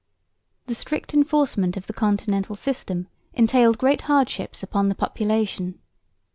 The strict enforcement of the Continental System entailed great hardships upon the population.